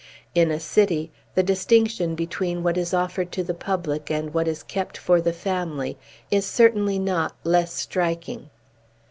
In a city, the distinction between what is offered to the public and what is kept for the family is certainly not less striking.